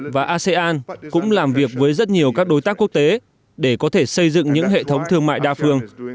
và asean cũng làm việc với rất nhiều các đối tác quốc tế để có thể xây dựng những hệ thống thương mại đa phương